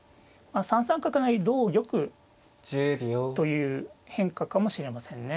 ３三角成同玉という変化かもしれませんね